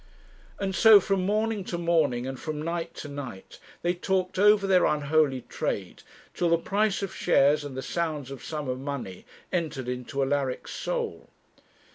And so from morning to morning, and from night to night, they talked over their unholy trade till the price of shares and the sounds of sums of money entered into Alaric's soul.